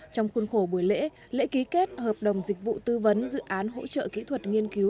trong khuôn khổ buổi lễ lễ ký kết hợp đồng dịch vụ tư vấn dự án hỗ trợ kỹ thuật nghiên cứu